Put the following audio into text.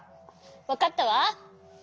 わかったわ！